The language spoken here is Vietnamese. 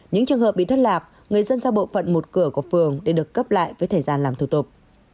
những trường hợp bị thất lạc người dân ra bộ phận một cửa của phường để được cấp lại với thời gian làm thủ tục